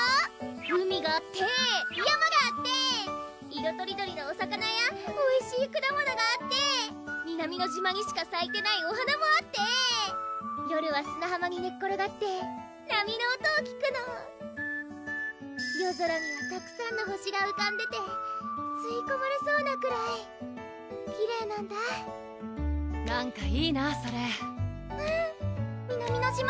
海があって山があって色とりどりのお魚やおいしい果物があって南乃島にしかさいてないお花もあって夜は砂浜に寝転がって波の音を聞くの夜空にはたくさんの星がうかんでてすいこまれそうなくらいきれいなんだなんかいいなそれうん南乃島